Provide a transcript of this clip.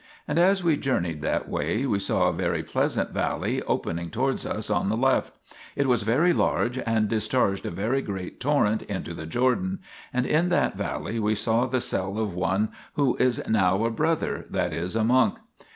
And as we journeyed that way we saw a very pleasant valley opening towards us on the left ; it was very large and discharged a very great torrent into the Jordan, and in that valley we saw the cell of one who is now a brother, that is a monk.